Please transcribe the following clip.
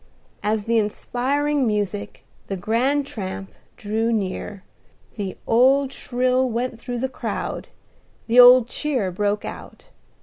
As the inspiring music, the grand tramp, drew near, the old thrill went through the crowd, the old cheer broke out.